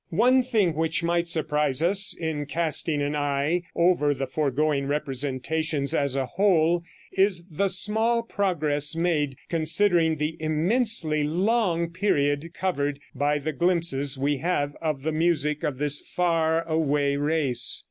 One thing which might surprise us in casting an eye over the foregoing representations as a whole is the small progress made considering the immensely long period covered by the glimpses we have of the music of this far away race.